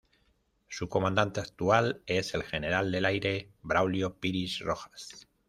Su comandante actual es el General del Aire Braulio Piris Rojas.